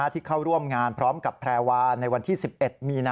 ที่เข้าร่วมงานพร้อมกับแพรวาในวันที่๑๑มีนา